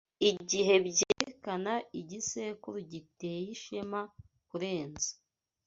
igihe byerekana igisekuru giteye ishema kurenza